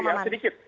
terakhir ya sedikit